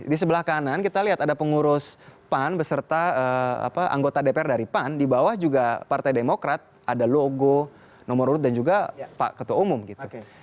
di sebelah kanan kita lihat ada pengurus pan beserta anggota dpr dari pan di bawah juga partai demokrat ada logo nomor urut dan juga pak ketua umum gitu